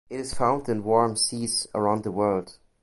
It is found in warm seas around the world.